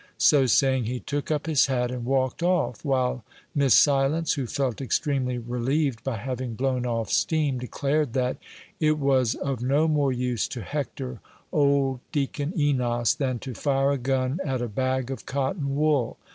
So saying, he took up his hat and walked off, while Miss Silence, who felt extremely relieved by having blown off steam, declared that "it was of no more use to hector old Deacon Enos than to fire a gun at a bag of cotton wool.